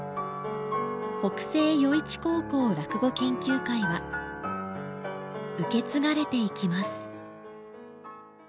北星余市高校落語研究会は受け継がれていきます。